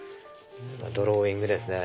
ドローイングですね。